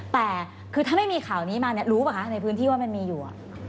แต่คือถ้าไม่มีข่าวนี้มาเนี่ยรู้ป่ะคะในพื้นที่ว่ามันมีอยู่